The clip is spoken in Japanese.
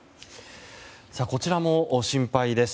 こちらも心配です。